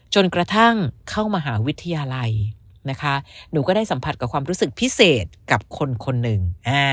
จนกระทั่งเข้ามหาวิทยาลัยนะคะหนูก็ได้สัมผัสกับความรู้สึกพิเศษกับคนคนหนึ่ง